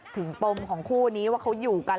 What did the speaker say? ปมของคู่นี้ว่าเขาอยู่กัน